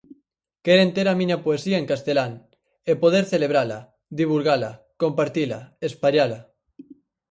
Queren ter a miña poesía en castelán, e poder celebrala, divulgala, compartila, espallala.